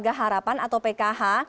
keluarga harapan atau pkh